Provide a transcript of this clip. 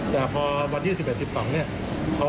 แต่พอวันที่๑๐หรือ๑๒